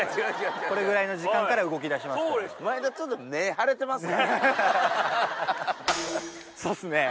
これぐらいの時間から動きだします。